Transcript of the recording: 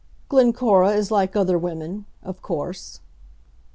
"Glencora is like other women, of course."